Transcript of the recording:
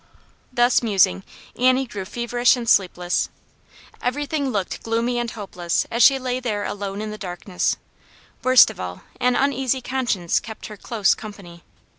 Thus musing, Annie grew feverish aad d^^^k.^^. 2IO Aunt Janets Hero. Everything looked gloomy and hopeless as she lay there alone in the darkness. Worst of all, an uneasy conscience kept her close company.